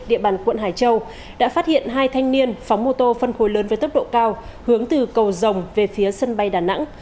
địa bàn quận hải châu đã phát hiện hai thanh niên phóng mô tô phân khối lớn với tốc độ cao hướng từ cầu rồng về phía sân bay đà nẵng